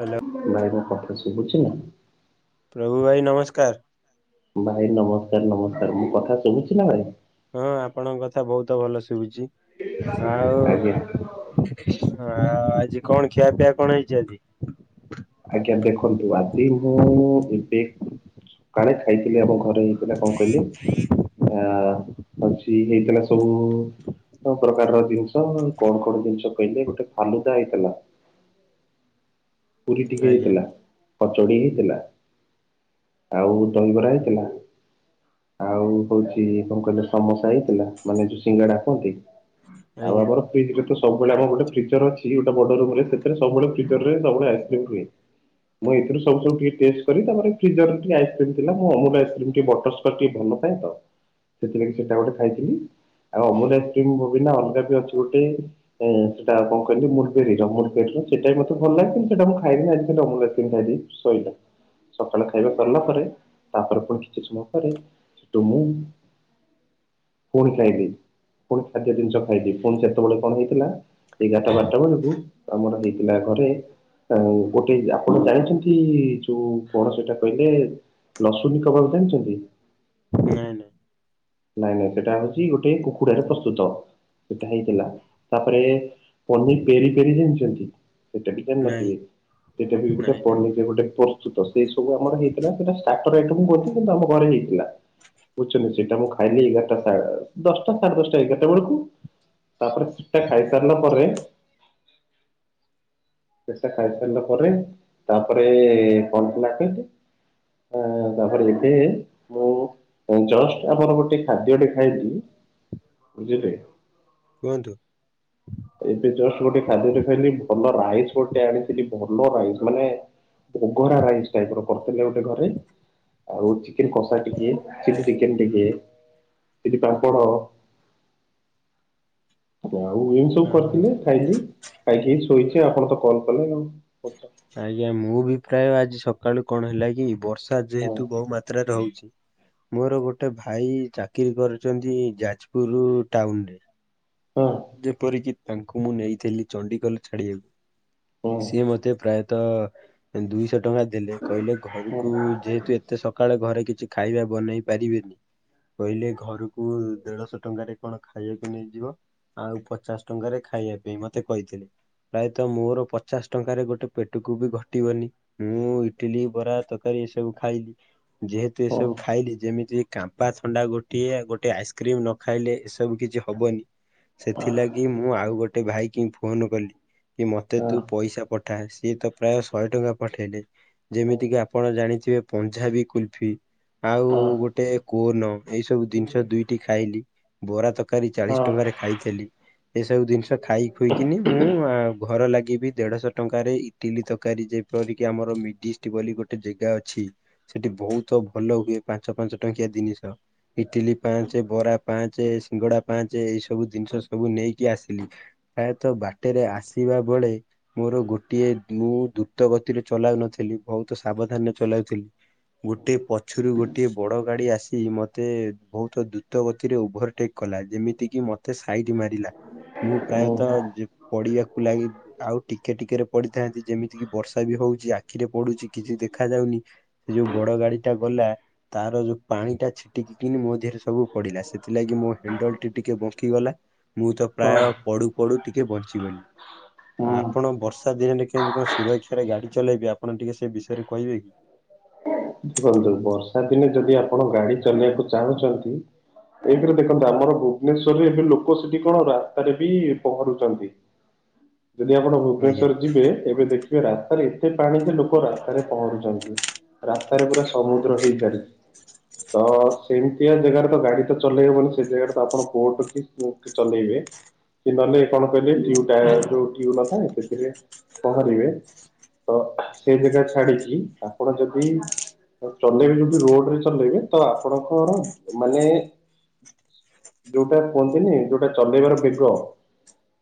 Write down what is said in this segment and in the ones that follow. Hello ଭାଇ ମୋ କଥା ଶୁଭୁଛି ନା। ପ୍ରଭୁ ଭାଇ ନମସ୍କାର। ଭାଇ ନମସ୍କାର ନମସ୍କାର ମୋ କଥା ଶୁଭୁଛିି ନା ଭାଇ। ହଁ ଆପଣଙ୍କ କଥା ବହୁତ ଭଲ ଶୁଭୁଛି ଆଉ। ଆଜ୍ଞା ଆଉ ଆଜି କଣ ଖିଆପିଆ କଣ ହେଇଛି ଆଜି? ଆଜ୍ଞା ଦେଖନ୍ତୁ ଆଜି ମୁଁ ଏବେ ସକାଳେ ଖାଇଥିଲି ଆମ ଘରେ। ହେଇଥିଲା‌ କଁ କହିଲେ ଆ ହଉଛି ହେଇଥିଲା ସବୁ। ସବୁ ପ୍ରକାରର ଜିନିଷ କଣ କଣ ଜିନିଷ କହିଲେ ଗୋଟେ ଫାଲୁଦା ହେଇଥିଲା। ପୁରୀ ଟିକେ ଆଜ୍ଞା ହେଇଥିଲା କଚୋଡି ହେଇଥିଲା ଆଉ ଦଇବରା ହେଇଥିଲା। ଆଉ ହଉଛି କଣ କହିଲେ ସମୋସା ହେଇଥିଲା ମାନେ ଯୋଉ ସିଙ୍ଗାଡା କହନ୍ତି। ଆଉ ଆଜ୍ଞା ଆମର ଫ୍ରିଜରେ ତ ସବୁବେଳେ ଆମର ଗୋଟେ ଫ୍ରିଜର ଅଛି ଗୋଟେ ବଡ ରୁମ ରେ ସେଥିରେ ସବୁବେଳେ ଫ୍ରିଜରରେ। ସବୁବେଳେ ଆଇସକ୍ରିମ୍ ରୁହେ। ମୁଁ ଏଥିରୁ ସବୁ ସବୁ ଟିକେ ଟେଷ୍ଟ କରି ତାପରେ ଫ୍ରିଜରରେ ଟିକେ ଆଇସକ୍ରିମ ଥିଲା ମୁଁ ଅମୁଲ ଆଇସ୍କ୍ରିମ୍ ଟିକେ ବଟରସ୍ ସ୍କଚ୍ ଟିକେ ଭଲ ପାଏ ତ ସେଥିଲାଗି ସେଇଟା ଗୋଟେ ଖାଇଥିଲି। ଆଉ ଅମୁଲ ଆଇସ୍କ୍ରିମ ବିନା ଅଲଗା ଯୋଉ ଅଛି ଗୋଟେ। ଉଁ ସେଟା କଣ କହିଲେ ମୁୁରବେରି ର ମୁୁରବେରି ର ସେଇଟା ବି ମୋତେ। ଭଲ ଲାଗେ କିନ୍ତୁ ସେଟା ମୁଁ ଖାଇନି ଆଜିି ଖାଲି ଅମୁଲ ଆଇସ୍କ୍ରିମ୍ ଖାଇ ଦେଇଛି ସଇଲା। ସକାଳ ଖାଇବା ସରିଲା ପରେ ତାପରେ ପୁଣି କିଛି ସମୟ ପରେ ସେଠୁ ମୁଁ। ପୁଣି ଖାଇଲି ପୁଣି ଖାଦ୍ୟ ଜିନିଷ ଖାଇଲି ପୁଣି ସେତେବେଳେ କଣ ହେଇଥିଲା। ଏଗାରଟା ବାରଟା ବେଳକୁ ଆମର ହେଇଥିଲା ଘରେ। ଆଉ ଗୋଟେ ଆପଣ ଜାଣିଛନ୍ତି ଯୋଉ କଣ ସେଟା କହିଲେ। ଲସୁନ କବାବ ଜାଣିଛନ୍ତି। ନାଇଁ ନାଇଁ। ନାଇଁ ମ ସେଇଟା ହଉଛି ଗୋଟେ କୁକୁଡା ରେ ପ୍ରସ୍ତୁତ। ସେଇଟା ହେଇଥିଲା ତାପରେ ପନିର ପେରି ପେରି ଜାଣିଛନ୍ତି। ସେଇଟା ବି ଜାଣି ନାଇଁ ନଥିବେ ସେଇଟା ବି ଗୋଟେ ନାଇଁ ଜାଣି ପନିର ଗୋଟେ ପ୍ରସ୍ତୁତ ସେଇ ସବୁ ଆମର ହେଇଥିଲା ସେଇଟା। ଷ୍ଟାଟର ଆଇଟମ କରିଥିଲୁ କିନ୍ତୁ ଆମ ଘରେ ହେଇଥିଲା ବୁଝିଲେ ସେଇଟା ମୁଁ ଖା ଖାଇଲି ଏଗାରଟା ସାଢେ ଦଶଟା ସାଢେ ଦଶଟା ଏଗାରଟା ବେଳକୁ। ତାପରେ ସେଟା ଖାଇ ସାରିଲା ପରେ। ଶେଟା ଖାଇସାରିଲା ପରେ ତାପରେ କଣ ଥିଲା କହିଲେ। ଉଁ ତାପରେ ଏବେ ମୁଁ ଜଷ୍ଟ ଆମର ଗୋଟେ। ଗୋଟେ ଖାଦ୍ୟଟେ ଖାଇଲି ବୁଝିଲେ। କୁହନ୍ତୁ। ଏବେ ଜଷ୍ଟ ଗୋଟେ ଖାଦ୍ୟ ଟେ ଖାଇଲି ଭଲ ରାଇସ ଗୋଟେ ଆଣିଥିଲି ଭଲ ରାଇସ ମାନେ। ବଘୋରା ରାଇସ୍ ଟାଇପର କରିଥିଲେ ଗୋଟେ ଘରେ। ଆଉ ଚିକେନ କଷା ଟିକେ ଚିଲି ଚିକେନ ଟିକେ ଚିଲି ପାମ୍ପଡ଼। ସେଠୁ ଆଉ ଏମିତି ସବୁ ହଁ ହଁ କରିଥିଲେ ଖାଇଲି ଖାଇକି ଏଇ ଶୋଇଛି ଆପଣ ତ କଲ କଲେ। ଆଜ୍ଞା ମୁଁ ବି ପ୍ରାୟ ଆଜି ସକାଳୁ କଣ ହେଲା କି ବର୍ଷା ଯେହେତୁ ବହୁ ମାତ୍ରାରେ ହଉଛି। ମୋର ଗୋଟେ ଭାଇ ଚାକିରୀ କରିଛନ୍ତି ଯାଜପୁର ଟାଉନରେ। ହଁ। ଯେପରିକି ତାଙ୍କୁ ମୁଁ ନେଇଥିଲି ଚଣ୍ଡିଖୋଲ ଛାଡିବାକୁ। ହଁ ସିଏ ମତେ ପ୍ରାୟତଃ ଦୁଇଶ ଟଙ୍କା ଦେଲେ କହିଲେ ଘରକୁ ହଁ ଯେହେତୁ ଏତେ। ଏତେ ସକାଳେ ଘରେ କିଛି ଖାଇବା ବନେଇ ପାରିବେନି। କହିଲେ ଘରକୁ ଦେଢଶହ ଟଙ୍କାରେ କଣ ଖାଇଆକୁ ନେଇଯିବ। ଆଉ ପଚାଶ ଟଙ୍କାରେ ଖାଇବା ପାଇଁ ମତେ କହିଥିଲେ। ପ୍ରାୟତଃ ମୋର ପଚାଶ ଟଙ୍କାରେ ଗୋଟେ ପେଟକୁ ବି ଘଟିବନି। ମୁଁ ଇଟିଲି ବରା ତକାରୀ ଏସବୁ ଖାଇଲି ଯେହେତୁ ହଁ ଏସବୁ ଖାଇଲି ଯେମିତି। କାମ୍ପା ଥଣ୍ଡା ଗୋଟିଏ ଗୋଟିଏ ଆଇସ୍କ୍ରିମ୍ ନ ଖାଇଲେ ଏସବୁ କିଛି ହବନି। ସେଥିଲାଗି ମୁଁ ଆଉ ଗୋଟେ ଭାଇ କି ଫୋନ କଲି କି ମତେ ତୁ ପଇସା ପ ସିଏ ତ ପ୍ରାୟ ଶହେ ଟଙ୍କା ପଠେଇଲେ। ଯେମିତି କିି ଆପଣ ଜାଣିଥିବେ ପଞ୍ଜାବୀ କୁଲଫି। ଆଉ ଗୋଟେ କୋନ ଏଇ ସବୁ ଜିନିଷ ଦୁଇଟି ଖାଇଲି। ବରା ତରକାରୀ ଚାଳିଶ ଦେଖନ୍ତୁ ଟଙ୍କାରେ ଖାଇଥିଲି। ଏସବୁ ଜିନିଷ ଖାଇ ଖୁଇକିନି ମୁଁ ଘର ଲାଗିବି ଦେଢଶହ ଟଙ୍କାରେ ଟିଲି ତରକାରୀ ଯେପରିକି ଆମର ମିଡିଷ୍ଟ ବୋଲି ଗୋଟେ ଜାଗା ଅଛି ସେଠି ବହୁତ ଭଲ ହୁଏ ପାଞ୍ଚ ପାଞ୍ଚ ଟଙ୍କିଆ ଜିନିଷ। ଇଟିଲି ପାଞ୍ଚେ ବରା ପାଞ୍ଚେ ସିଙ୍ଗଡା ପାଞ୍ଚେ ଏଇ ସବୁ ଜିନିଷ ସବୁ ନେଇକି ଆସିଲି। ପ୍ରାୟତଃ ବାଟରେ ଆସିବା ବଳେ ମୋର ଗୋଟିଏ [inaudible] ଦ୍ରୁତ ଗତିରେ ଚଲାଉନଥିଲି ବହୁତ ସାବଧାନରେ ଚଲାଉଥିଲି। ଗୋଟଏ ପଛରୁ ଗୋଟିଏ ବଡ଼ ଗାଡ଼ି ଆସି ମୋତେ ବହୁତ ଦ୍ରୁତ ଗତିରେ ଓଭରଟେକ୍ କଲା ଯେମିତି କି ମତେ ସାଇଡ ମାରିଲା ମୁଁ ପ୍ରାୟତଃ ପଡିବାକୁ ଲାଗି ଆଉ ଟିକେ ଟିକେରେ ପଡିଥାନ୍ତି ଯେମିତି କିି ବର୍ଷା ବି ହଉଛି ଆଖିରେ ପଡୁଛି କିଛି ଦେଖା ଯାଉନି। ସେ ଯୋଉ ବଡ ଗାଡିଟା ଗଲା ତାର ଯୋଉ ପାଣିଟା ଛିଟିକ କିିନି ମୋ ଦେହରେ ସବୁ ପଡିଲା ସେଥିଲାଗି ମୋ ହାଣ୍ଡଲଟି ଟିକେ ବ ରଖିଗଲା ମୁଁ ତ ପ୍ରାୟ ପଡୁ ପଡୁ ଟିକେ ବଞ୍ଚିଗଲି। ଆପଣ ବର୍ଷା ଦିନରେ କେମିତି କଣ ସୁରକ୍ଷାରେ ଗାଡି ଚଲେଇବେ ଆପଣ ଟିକେ ସେ ବିଷୟରେ କହିବେ କି? ଦେଖନ୍ତୁ ବର୍ଷା ଦିନେ ଯଦି ଆପଣ ଗାଡି ଚଲେଇବାକୁ ଚାହୁଁଛନ୍ତି ଏଇଥିରେ ଦେଖନ୍ତ ଆମର ଭୁବନେଶ୍ୱରରେ ଏବେ ଲୋକ ସେଠି କଣ ରାସ୍ତାରେ ବି ପହଁରୁଚନ୍ତି। ଯଦି ଆପଣ ଆଜ୍ଞା। ଭୁବନେଶ୍ୱରେ ଯିବେ ଏବେ ଦେଖିବେ ରାସ୍ତାରେ ଏତେ ପାଣି ଯେ ଲୋକ ରାସ୍ତାରେ ପହଁରୁଚନ୍ତି। ରାସ୍ତା ପୁରା ସମୁଦ୍ର ହେଇଚାଲିଚି। ତ ସେମିତିଆ ଜାଗାରେ ତ ଗାଡି ତ ଚଲେଇ ହବନି ସେ ଜାଗାରେ ତ ଆପଣ ବୋଟ କି ଚଲେଇବେ। ନହଲେ କଣ କହିଲେ ଟିଉ ଟାୟାର ଯୋଉ ଟିଉ ନଥାଏ ସେଥିରେ ପହଁରିବେ ତ ସେ ଜାଗା ଛାଡିକି ଆପଣ ଯଦି ଚଲେଇବେ ଯଦି ରୋଡରେ ଚଲେଇବେ ତ ଆପଣଙ୍କର ମାନେ ଯୋଉଟା କୁହନ୍ତିନି ଯୋଉଟା ଚଲେଇବାର ବେଗ।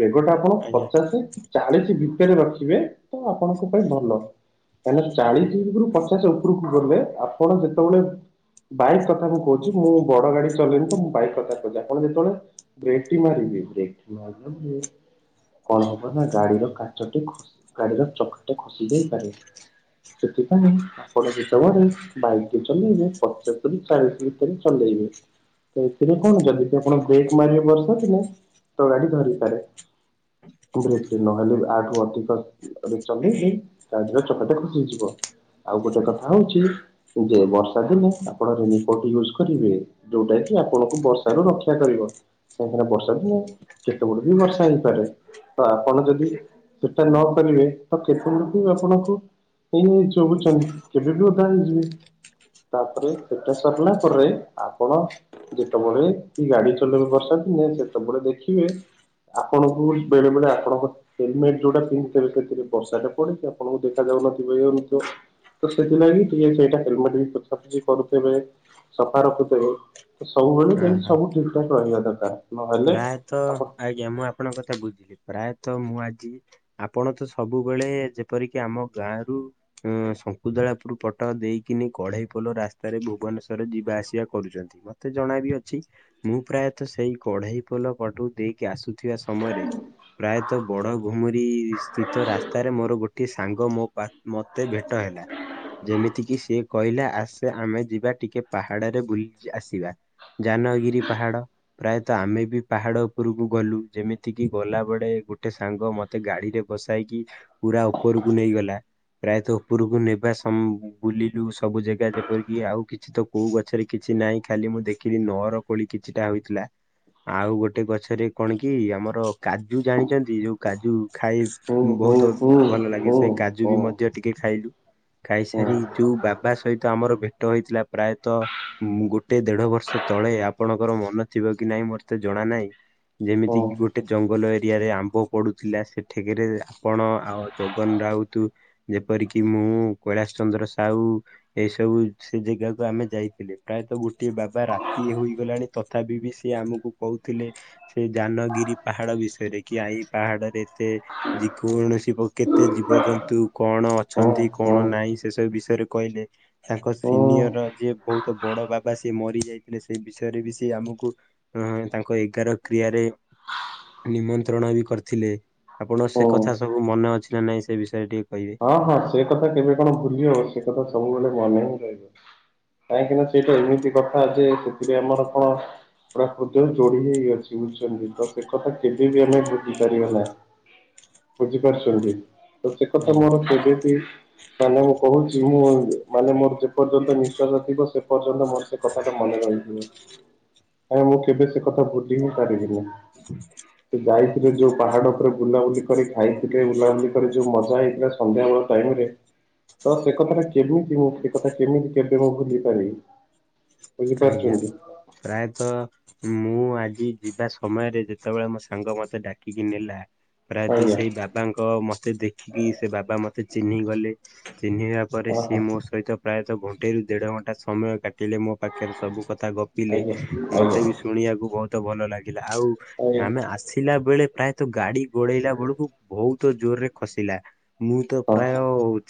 ବେଗଟା ଆପଣ ଆଜ୍ଞା ପଚାଶ କି ଚାଳିଶ ଭିତରେ ରଖିବେ ତ ଆପଣଙ୍କ ପାଇଁ ଭଲ। ମାନେ ଚାଳିଶରୁ ଉପରକୁ ପଚାଶ ଉପରକୁ ହେଲେ ଆପଣ ଯେତେବେଳେ ବାଇକ୍ କଥା ମୁଁ କହୁଚି ମୁଁ ବଡ ଗାଡି ଚଲେଇନି ତ ମୁଁ ବାଇକ୍ କଥା କହୁଚି ଆପଣ ଯେତେବେଳେ ବ୍ରେକଟି ମାରିଦେବେ [inaudible] କଣ ହବ ନା ଗାଡିର କାଚଟେ ଗାଡିର ଚକାଟେ ଖସି ଯାଇପାରେ। ସେଥିପାଇଁ ପରିଚିତ ଭାବେ ବାଇକ ଚଲେଇବେ ପଚାଶରୁ ଚାଳିଶ ଭିତରେ ଚଲେଇବେ। ତ ଏଥିରେ କଣ ଜଲଦି କି ଆପଣ ବ୍ରେକ୍ ମାରିବେ ବର୍ଷାଦିନେ ତ ଗାଡି ଧରିପାରେ କୁହନ୍ତୁ ନହେଲେ ଆଠୁ ଅଧିକ ଏବେ ଚଲେଇଲେ ତା ଦେହରେ ଚକାଟି ଖସି ଯିବ। ଗୋଟେ କଥା ହଉଚି ଯେ ବର୍ଷା ଦିନେ ଆପଣ ରେନିକୋଟ୍ ୟୁଜ୍ କରିବେ। ଯୋଉଟା କି ଆପଣଙ୍କୁ ବର୍ଷାରୁ ରକ୍ଷା କରିବ। କାହିଁକିନା ବର୍ଷା ଦିନେ କେତେ ବେଳେ ବି ବର୍ଷା ହେଇପାରେ। ତ ଆପଣ ଯଦି ସେଟା ନ କରିବେ ତ କେତେବେଳେ ବି ଆପଣଙ୍କୁ ଏଇ ଚବୁଚନ୍ତି କେବେବି ଓଦା ହେଇଯିବେ। ତାପରେ ସେଟା ସରିଲା ପରେ ଆପଣ ଯେତେବେଳେ ଗାଡି ଚଲେଇବେ ବର୍ଷା ଦିନେ ସେତେବେଳେ ଦେଖିବେ ଆପଣଙ୍କୁ ବେଳେ ବେଳେ ଆପଣଙ୍କ ହେଲମେଟ ଯୋଉଟା ପିନ୍ଧିିଥିବ ସେଥିରେ ବର୍ଷାଟା ପଡୁଥିବ ଆପଣଙ୍କୁ ଦେଖାଯାଉନଥିବ ତ ସେଥିଲାଗି ଟିକେ ସେଇଟା ହେଲମେଟବି ପୋଛାପୋଛି କରୁଥିବେ। ସଫା ରଖୁଥିବ ତ ସବୁବେଳେ ଯେମିତି ଓହୋ ସବୁ ଠିକ୍ ଠାକ୍ ରହିବା ଦରକାର। ନହେଲେ ପ୍ରାୟତଃ ଆପଣ ଆଜ୍ଞା ମୁଁ ଆପଣଙ୍କ କଥା ବୁଝିଲି ପ୍ରାୟତଃ ମୁଁ ଆଜି ଆପଣତ ସବୁବେଳେ ଯେପରିକି ଆମ ଗାଁରୁ ଶଙ୍କୁଦଳାପୁର ପଟ ଦେଇକିନି କଢେଇ ପୋଲ ରାସ୍ତାରେ ଭୁବନେଶ୍ଵର ଯିବା ଆସିବା କରୁଚନ୍ତି ମ ମତେ ଜଣାବି ଅଛି ମୁଁ ପ୍ରାୟତଃ ସେଇ କଢେଇ ପୋଲ ପାଟୁ ଦେଇକି ଆସୁଥିବା ସମୟରେ ପ୍ରାୟତଃ ବଡ଼ ଘୁମୁରି ସ୍ଥିତ ରାସ୍ତାରେ ମୋର ଗୋଟଏ ସାଙ୍ଗ ମୋ ପା୍ ମତେ ଭେଟ ହେଲା। ଯେମିତିକିି ସିଏ କହିଲା ଆସେ ଆମେ ଯିବା ଟିକେ ପାହାଡ଼ରେ ବୁଲିକି ଆସିବା। ଯାନଗିରି ପାହାଡ଼। ପ୍ରାୟତଃ ଆମେବି ପାହାଡ଼ ଉପରକୁ ଗଲୁ ଯେମିତିକି ଗଲାବେଳେ ଗୋଟେ ସାଙ୍ଗ ମୋ ତେ ଗାଡ଼ିରେ ବସାଇକି ପୁରା ଉପରକୁ ନେଇଗଲା ପ୍ରାୟତଃ ଉପରକୁ ନେବା ସମ୍ ବୁଲିଲୁ ସବୁ ଜାଗା ଯେପରିକି ଆଉ କିଛିତ କୋଉ ଗଛରେ କିଛି ନାହିଁ ଖାଲି ମୁଁ ଦେଖିଲି ନଅର କୋଳି କିଛିଟା ହୋଇଥିଲା ଆଉ ଗୋଟେ ଗଛରେ କଣକି ଆମର କାଜୁ ଜାଣିଚନ୍ତି ଯୋଉ କାଜୁ ଖାଇ ହୁଁ ହୁଁ ବହୁତ୍ ହୁଁ ଭଲ ଲାଗେ ହୁଁ ସେଇ ହୁଁ କାଜୁବି ମଧ୍ୟ ଟିକେ ଖାଇଲୁ କାଇସାରି ଯୋଉ ବାବା ସହିତ ଆମର ଭେଟ ହେଇଥିଲା ପ୍ରାୟତଃ ମୁଁ ଗୋଟେ ଦେଢ ବର୍ଷ ତଳେ ଆପଣଙ୍କର ମନ ଥିବକି ନାଇଁ ମୋରତେ ଜଣା ନାହିଁ ହୁଁ ହୁଁ ଯେମିତିକିି ଗୋଟେ ଜଙ୍ଗଲ ଏରିଆରେ ଆମ୍ବ ପଡ଼ୁଥିଲା ସେଠେକିରେ ଆପଣ ଆଉ ଜଗନ ରାଉତ ଯେପରିକି ମୁଁ କୈଳାସ ଚନ୍ଦ୍ର ସାହୁ ଏଇ ସବୁ ସେଜାଗାକୁ ଆମେ ଯାଇଥିଲଥିଲେ ପ୍ରାୟତଃ ଗୋଟିଏ ବାବା ରାତି ହୋଇଗଲାଣି ତ ତଥାବିିବି ସିଏ ଆମକୁ କହୁଥିଲେ ସେଇ ଯାନଗିରି ପାହାଡ଼ ବିଷୟରେ କିଆଇ ପାହାଡ଼ରେ ଏତେ ଯେ କୌଣସି କେତେ ଜୀବଜନ୍ତୁ କଣ ଅଛନ୍ତି ହୁଁ କଣ ନାହିଁ ସେସବୁ ବିଷୟରେ କହିଲେ। ତାଙ୍କ ହୁଁ ସିନିୟର ଯିଏ ବହୁତ୍ ବଡ଼ ବାବା ସିଏ ମରିଯାଇଥିଲେ ସେଇ ବିଷୟରେ ବି ଯେଆମକୁ ଅଁ ତାଙ୍କ ଏଗାର କ୍ରିୟାରେ ନିମନ୍ତ୍ରଣବି କରିଥିଲେ ଆପଣ ହୁଁ ସେକଥା ସବୁ ମନେ ଅଛିନା ନାଇଁ ସେବିଷୟରେ ଟିକେ କହିବେ? ହଁ ହଁ ସେକଥା କେବେ କଣ ଭୁଲି ହବ ସେକଥା ସବୁବେଳେ ମନେହିଁ ରହିବ। କାହିଁକିନା ସେଇଟା ଏମିତି କଥାଯେ ସେଥିରେ ଆମର କଣ ପୁରାକୃତ ଯୋଡ଼ି ହେଇ ଅଛି ବୁଝୁଛନ୍ତି ତସେକଥା କେବେବି ଆମେ ଭୁଲିପାରିବା ନାହିଁ। ବୁଝିପାରୁଛନ୍ତି ତସେକଥା ଆଜ୍ଞା। ମୋର କେବେବି ସାଙ୍ଗ ମୁଁ କହୁଚି ମୁଁ ମାନେ ମୋର ଯେପର୍ଯ୍ୟନ୍ତ ନିଃଶ୍ଵାସ ଥିବ ସେପର୍ଯ୍ୟନ୍ତ ମୋ ସେକଥାଟା ମନେ ରହିଥିବ। [inaudible] ହଁ ମୁଁ କେବେସେ କଥା ଭୁଲିହିଁ ପାରିବିନି। ସେ ଯାଇଥିଲେ ଯୋଉ ପାହାଡ଼ ଉପରେ ବୁଲାବୁଲି କରି ଖାଇଥିଲେ ବୁଲାବୁଲି କରି ଯୋଉ ମଜା ହେଇଥିଲା ସନ୍ଧ୍ୟାବେଳ ଟାଇମିରେ ତ ସେକଥାଟା କେମିତି ମୁଁ ସେକଥା କେମିତି କେବେ ମୁଁ ଭୁଲି ପାରିବି ଆଜ୍ଞା ବୁଝିପାରୁଛନ୍ତି? ପ୍ରାୟତଃ ମୁଁ ଆଜି ଯିବା ସମୟରେ ଯେତେବେଳେ ମୋ ସାଙ୍ଗ ମତେ ଡାକିକି ନେଲା ପ୍ରାୟତଃ ଆଜ୍ଞା ସେଇ ବାବାଙ୍କ ମତେ ଦେଖିକି ସେବାବା ମତେ ଚିହ୍ନି ଗଲେ ଚିହ୍ନିଆ ପରେ ଅ ହ ସିଏ ମୋସହିତ ପ୍ରାୟତଃ ଘଣ୍ଟେରୁ ଦେଢ଼ ଘଣ୍ଟା ସମୟ କାଟିଲେ ମୋ ପାଖରେ ସବୁ କଥା ଗପିଲେ ଆଜ୍ଞା ଆଜ୍ଞା ମତେବି ଶୁଣିବାକୁ ବହୁତ୍ ଭଲ ଲାଗେ ଲା ଆଉ ଆଜ୍ଞା ଆମେ ଆସିଲା ବେଳେ ପ୍ରାୟତଃ ଗାଡ଼ି ଗୋଡ଼େଇଲା ବେଳକୁ ବହୁତ୍ ଜୋରରେ ଖସିଲା ମୁଁ ତ ପ୍ରାୟ ହଁ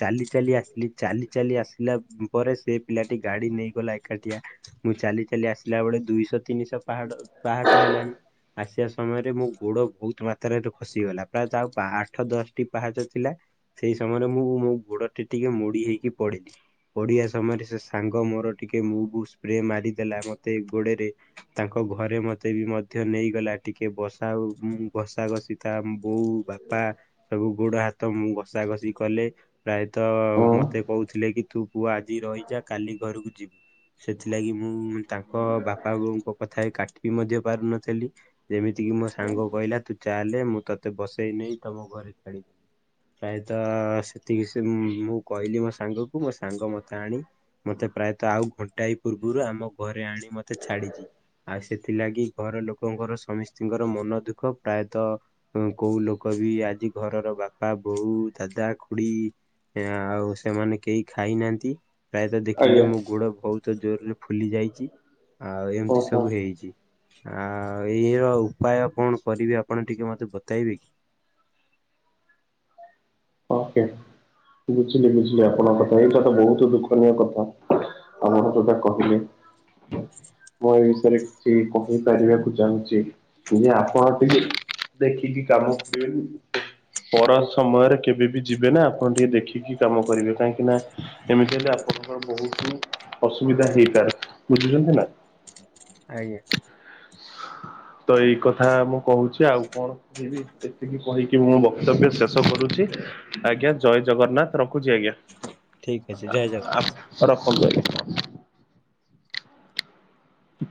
ଚାଲି ଚାଲି ଆସିଲି ଚାଲି ଚାଲି ଆସିଲା ପରେ ସେପିଲାଟି ଗାଡ଼ି ନେଇଗଲା ଏକାଟିଆ ମୁଁ ଚାଲି ଚାଲି ଆସିଲା ବେଳେ ଦୁଇଶହ ତିନିଶହ ପାହାଡ଼ ପାହାଚ ହେଲାଣି ଆସସ ସମୟରେ ମୋଗୋଡ଼ ବହୁତ୍ ମାତ୍ରାରେ ଖସିଗଲା ପ୍ରାୟତଃ ଆଉ ଆଠ ଦଶଟି ପାହାଚ ଥିଲା ସେଇ ସମୟରେ ମୁଁ ମୋ ଗୋଡ଼ଟି ଟିକେ ମୋଡ଼ି ହେଇକି ପଢିଲି ପଢିବା ସମୟରେ ସେସାଙ୍ଗ ମୋର ଟିକେ ମୁଭ୍ ସ୍ରେମାରିଦେଲା ମତେ ଗୋଡ଼ରେ ତାଙ୍କ ଘରେ ମତେବି ମଧ୍ୟ ନେଇଗଲା ଟିକେ ବସା ଘଷା ଘଷି ତା ବୋଉ ବାପା ସବୁ ଗୋଡ଼ ହାତ ଉଁ ଘଷା ଘଷି କଲେ ପ୍ରାୟତଃ ହଁ ମତେ କହୁଥିଲେ କି ତୁ ପୁଅ ଆଜି ରହିଯା କାଲି ଘରକୁ ଯିବୁ। ସେଥିଲାଗି ମୁଁ ତାଙ୍କ ବାପା ବୋଉ ଙ୍କ କଥା କାଟିବି ମଧ୍ୟ ପାରୁନଥିଲି। ଯେମିତି କିି ମୋ ସାଙ୍ଗ କହିଲା ତୁ ଚାଲେ ମୁଁ ତୋତେ ବସେଇ ନେଇ ତମ ଘରେ ଛାଡିବି। ପ୍ରାୟତଃ ସେତିକି ସେ ମୁଁ କହିଲି ମୋ ସାଙ୍ଗକୁ ମୋ ସାଙ୍ଗ ମତେ ଆଣି ମତେ ପ୍ରାୟତଃ ଆଉ ଘଣ୍ଟାଏ ପୂର୍ବରୁ ଆମ ଘରେ ଆଣି ମତେ ଛାଡିଚି। ଆଉ ସେଥିଲାଗି ଘର ଲୋକଙ୍କର ସମସ୍ତଙ୍କର ମନ ଦୁଃଖ। ପ୍ରାୟତଃ ହଁ କୋଉ ଲୋକ ବି ଆଜି ଘରର ବାପା ବୋଉ ଦାଦା ଖୁଡି ଆଉ ସେମାନେ କେହି ଖାଇନାହାନ୍ତି। ପ୍ରାୟତଃ ଦେଖିଲେ ଆଜ୍ଞା ମୋ ଗୋଡ ବହୁତ ଜୋରରେ ଫୁଲି ଯାଇଛି ଆଉ ହଁ ଏମିତି ହଁ ସବୁ ହେଇଛି। ଆଉ ଏଇ ର ଉପାୟ କଣ କରିବି ଆପଣ ଟିକେ ମତେ ବତେଇବେ କି? ଓକେ ବୁଝିଲି ବୁଝିଲି ଆପଣଙ୍କ କଥା ଏଇଟା ତ ବହୁତ ଦୁଃଖନୀୟ କଥା। ତମର ଯୋଉଟା କହିଲେ। ମୁଁ ଏ ବିଷୟରେ କିଛି କହିପାରିବାକୁ ଚାହୁଁଛି। ଯେ ଆପଣ ଟିକେ ଦେଖିକି କାମ କରିବେନି ପର ସମୟରେ କେବେ ବି ଯିବେ ନା ଆପଣ ଟିକେ ଦେଖିକି କାମ କରିବେ। କାହିଁକି ନା ଏମିତି ହେଲେ ଆପଣଙ୍କର ବହୁତ ହିଁ ଅସୁବିଧା ହେଇପାରେ ବୁଝୁଛନ୍ତି ନା। ଆଜ୍ଞା। ତ ଏଇ କଥା ମୁଁ କହୁଛି। ଆଉ କଣ କହିବି ଏତିକି କହିକି ମୁଁ ବକ୍ତବ୍ୟ ଶେଷ କରୁଛି। ଆଜ୍ଞା ଜୟ ଜଗନ୍ନାଥ ରଖୁଛି ଆଜ୍ଞା। ଠିକ ଅଛି ଜୟ ଜଗନ୍ନାଥ। ସାର୍‌ ରଖନ୍ତୁ ଆଜ୍ଞା। ହ [inaudible]